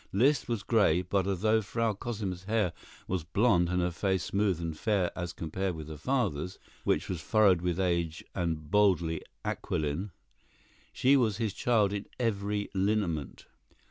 Liszt was gray; but, although Frau Cosima's hair was blonde, and her face smooth and fair as compared with her father's, which was furrowed with age and boldly aquiline, she was his child in every lineament.